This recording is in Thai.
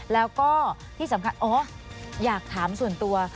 แล้วก็ที่สำคัญอ๋ออยากถามส่วนตัว